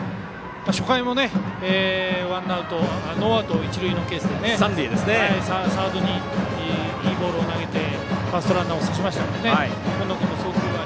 初回もノーアウト一塁のケースでサードに、いいボールを投げてファーストランナーを刺しましたね。